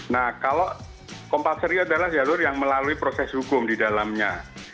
nah kalau kompaser itu adalah jalur yang melalui proses hukum di dalamnya